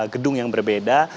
gedung yang berbeda